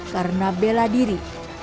karena bela diri